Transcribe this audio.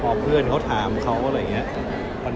พอเพื่อนเขาถามเขาอะไรอย่างนี้